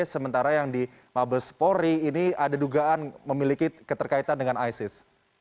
sementara yang di mabespori ini ada dugaan memiliki keterkaitan dengan isis